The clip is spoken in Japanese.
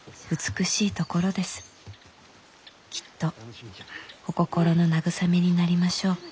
きっとお心の慰めになりましょう。